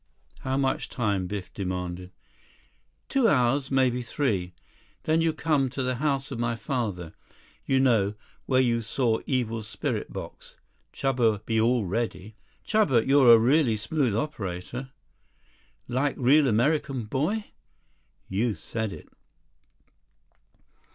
"How much time?" Biff demanded. "Two hours—maybe three. Then you come to the house of my father. You know, where you saw Evil Spirit Box. Chuba be all ready." "Chuba, you're a really smooth operator." "Like real American boy?" "You said it."